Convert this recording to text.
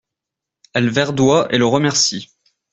Elle verdoie et le remercie.